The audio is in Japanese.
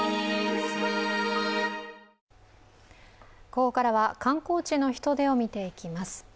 ここからは観光地の人出を見ていきます。